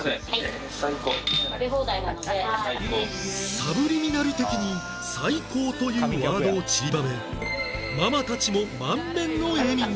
サブリミナル的に「最高」というワードをちりばめママたちも満面の笑みに